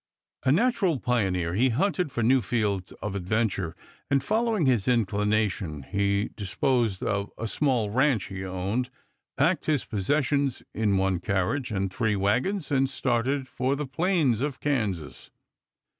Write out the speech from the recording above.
A natural pioneer, he hunted for new fields of adventure, and following his inclination he disposed of a small ranch he owned, packed his possessions in one carriage and three wagons, and started for the plains of Kansas.